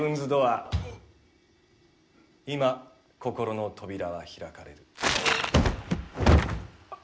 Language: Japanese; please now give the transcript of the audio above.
今心の扉は開かれる。